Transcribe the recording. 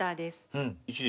うん。